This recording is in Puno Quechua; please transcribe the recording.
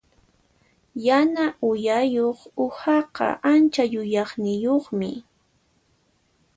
Yana uyayuq uhaqa ancha yuyayniyuqmi.